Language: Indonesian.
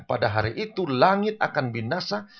pada hari itu langit akan binasa